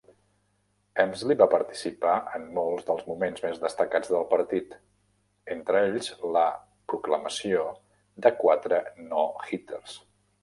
Emslie va participar en molts dels moments més destacats del partit, entre ells la proclamació de quatre no-hitters.